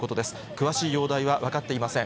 詳しい容体は分かっていません。